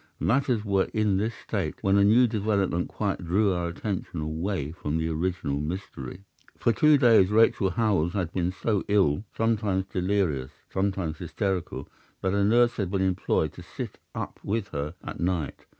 Matters were in this state, when a new development quite drew our attention away from the original mystery. "'For two days Rachel Howells had been so ill, sometimes delirious, sometimes hysterical, that a nurse had been employed to sit up with her at night.